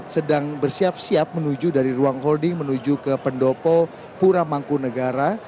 sedang bersiap siap menuju dari ruang holding menuju ke pendopo pura mangkunegara